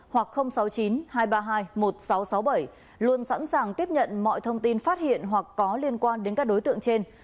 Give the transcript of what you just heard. hoặc sáu mươi chín hai trăm ba mươi hai một nghìn sáu trăm sáu mươi bảy luôn sẵn sàng tiếp nhận mọi thông tin phát hiện hoặc có liên quan đến các đối tượng trên